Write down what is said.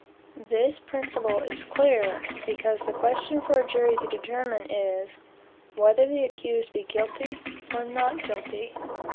This principle is clear, because the question for a jury to determine is, whether the accused be guilty, or not guilty.